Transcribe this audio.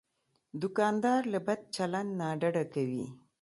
دوکاندار له بد چلند نه ډډه کوي.